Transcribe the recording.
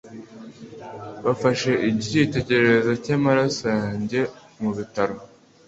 Bafashe icyitegererezo cyamaraso yanjye mubitaro.